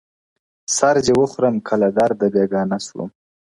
سر دي و خورم که له درده بېګانه سوم,